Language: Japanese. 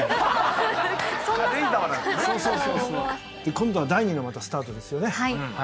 今度は第二のスタートですよね。